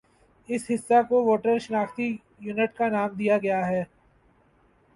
اس حصہ کو ووٹر شناختی یونٹ کا نام دیا گیا ہے